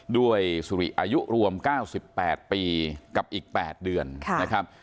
สุริอายุรวม๙๘ปีกับอีก๘เดือนนะครับ